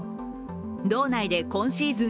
道内で今シーズン